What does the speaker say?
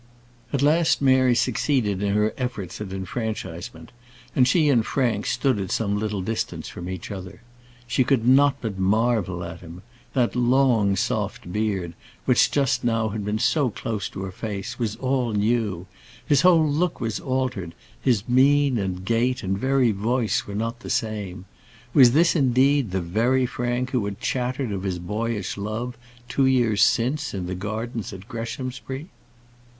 At last Mary succeeded in her efforts at enfranchisement, and she and Frank stood at some little distance from each other. She could not but marvel at him. That long, soft beard, which just now had been so close to her face, was all new; his whole look was altered; his mien, and gait, and very voice were not the same. Was this, indeed, the very Frank who had chattered of his boyish love, two years since, in the gardens at Greshamsbury?